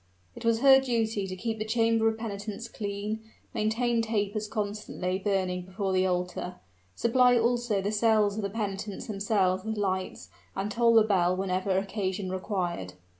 It was her duty to keep the chamber of penitence clean, maintain tapers constantly burning before the altar, supply also the cells of the penitents themselves with lights, and toll the bell whenever occasion required.